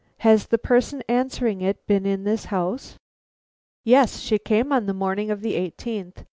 Has the person answering it been in this house?" "Yes; she came on the morning of the eighteenth.